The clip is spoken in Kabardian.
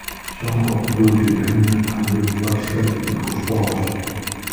Псом хуэмыдэу, джэдгыныр тхьэмбыл къуэпсхэм и хущхъуэгъуэщ.